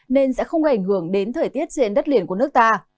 nên sẽ không gây ảnh hưởng đến thời tiết trên đất liền của nước ta